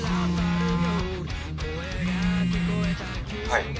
はい。